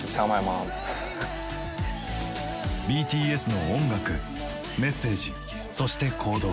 ＢＴＳの音楽メッセージそして行動。